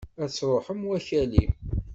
Ad truḥem wakali!